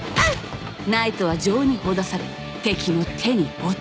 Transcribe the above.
ナイトは情にほだされ敵の手に落ち。